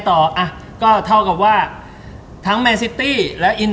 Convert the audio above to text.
๓๕ปีเขาย้ายไปที่อื่น